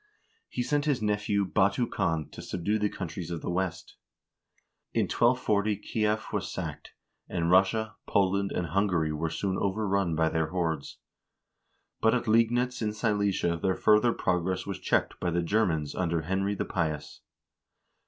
He sent his nephew Batu Khan to subdue the countries of the West. In 1240 Kief was sacked, and Russia, Poland, and Hungary were soon over run by their hordes ; but at Liegnitz in Silesia their further progress was checked by the Germans under Henry the Pious.